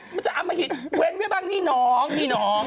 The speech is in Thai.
มันจะอมหิตเว้นไว้บ้างนี่น้องนี่น้อง